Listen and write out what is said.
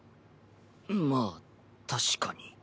まあ確かに。